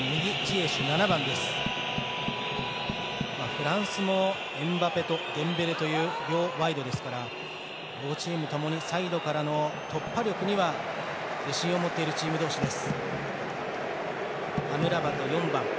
フランスもエムバペとデンベレという両ワイドですから両チームともにサイドからの突破力には自信を持っているチーム同士です。